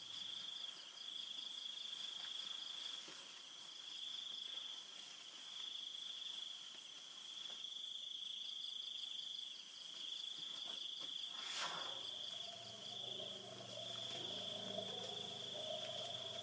ติดต่อไปแล้วติดต่อไปแล้วติดต่อไปแล้ว